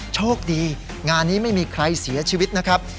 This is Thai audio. โชคดีงานนี้ไม่มีใครเสียชีวิตนะครับ